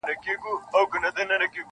ما پخوا نارې وهلې نن ریشتیا ډوبه بېړۍ ده -